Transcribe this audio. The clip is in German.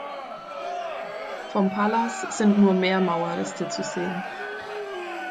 Vom Palas sind nur mehr Mauerreste zu sehen.